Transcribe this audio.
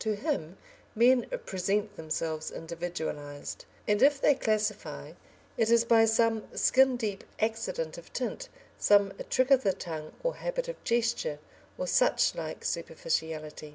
To him men present themselves individualised, and if they classify it is by some skin deep accident of tint, some trick of the tongue, or habit of gesture, or such like superficiality.